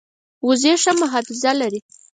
وزې ښه حافظه لري